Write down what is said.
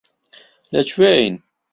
لەکوێین؟